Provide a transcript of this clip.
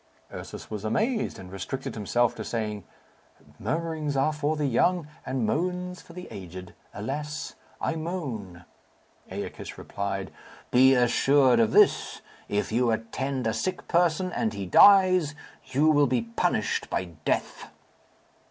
Ursus was amazed, and restricted himself to saying, "Murmurings are for the young, and moans for the aged. Alas, I moan!" Æacus replied, "Be assured of this if you attend a sick person, and he dies, you will be punished by death."